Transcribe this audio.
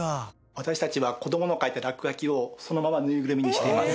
私たちは子どもの描いた落書きをそのままぬいぐるみにしています。